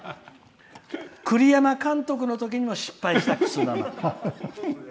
栗山監督のときも失敗したくす玉。